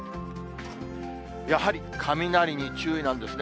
やはり雷に注意なんですね。